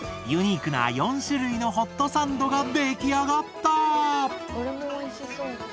ユニークな４種類のホットサンドが出来上がった！